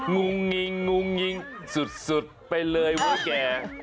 งุ่งงิงงุ่งงิงสุดไปเลยว่ะแก